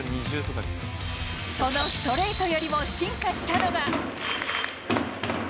そのストレートよりも進化したのが。